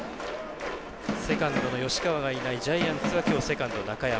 セカンドの吉川がいないジャイアンツきょうセカンド中山。